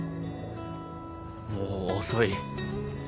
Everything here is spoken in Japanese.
もう遅い。